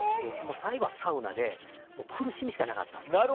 最後はサウナで苦しみしかなかったんです。